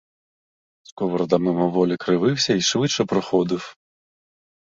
Сковорода мимоволі кривився й швидше проходив.